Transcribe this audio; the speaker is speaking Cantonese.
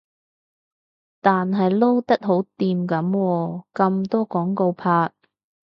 但係撈得好掂噉喎，咁多廣告拍